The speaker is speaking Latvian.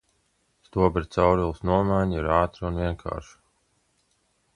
Stobra caurules nomaiņa ir ātra un vienkārša.